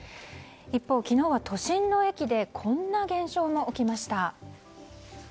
一方、昨日は都心の駅でこんな現象も起きました。